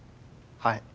はい。